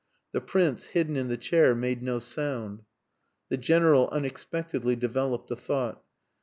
The Prince, hidden in the chair, made no sound. The General unexpectedly developed a thought.